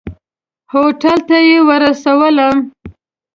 هوټل ته یې ورسولم.